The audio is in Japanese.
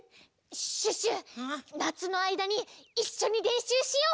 シュッシュなつのあいだにいっしょにれんしゅうしよう！